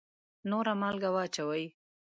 نوره مالګه واچوئ